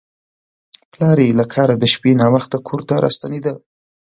پلار یې له کاره د شپې ناوخته کور ته راستنېده.